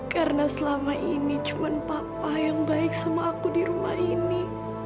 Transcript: karena selama ini cuma papa yang baik sama aku di rumah ini